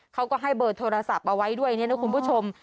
เขาก็ให้เบอร์โทรศัพท์เอาไว้ด้วยเนี่ยนะคุณผู้ชม